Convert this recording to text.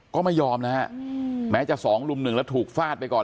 ก็ไม่ยอมนะฮะแม้จะสองลุมหนึ่งแล้วถูกฟาดไปก่อน